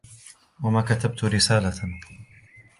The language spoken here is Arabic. ما كتبت رسالةً.